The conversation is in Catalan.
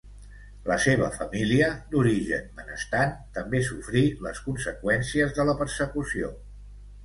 La seva família, d'origen benestant, també sofrí les conseqüències de la persecució.